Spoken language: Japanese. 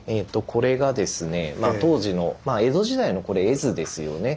これがですね当時のまあ江戸時代の絵図ですよね。